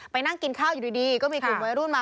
นั่งกินข้าวอยู่ดีก็มีกลุ่มวัยรุ่นมา